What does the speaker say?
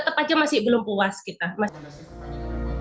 tetap aja masih belum puas kita